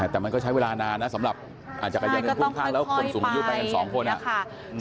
แต่มันก็ใช้เวลานานนะสำหรับจักรยานยนต์พ่วงข้างแล้วคนสูงอายุไปกันสองคน